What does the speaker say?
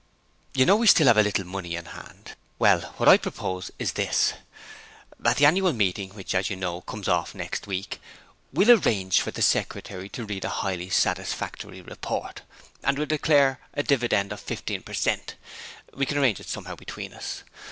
'You know we still have a little money in hand: well, what I propose is this: At the annual meeting, which, as you know, comes off next week, we'll arrange for the Secretary to read a highly satisfactory report, and we'll declare a dividend of 15 per cent we can arrange it somehow between us.